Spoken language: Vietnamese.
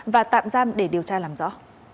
và tạm giam để điều tra làm rõ